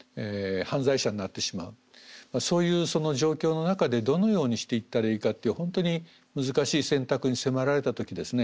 そういう状況の中でどのようにしていったらいいかって本当に難しい選択に迫られた時ですね